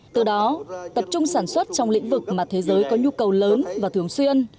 từ đó tập trung sản xuất trong lĩnh vực mà thế giới có nhu cầu lớn và thường xuyên